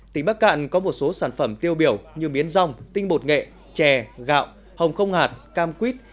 tỉnh bắc cạn có một số sản phẩm tiêu biểu như miến rong tinh bột nghệ chè gạo hồng không hạt cam quýt